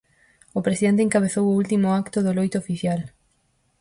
O presidente encabezou o último acto do loito oficial.